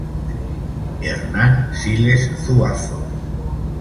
Hernan Siles Zuazo".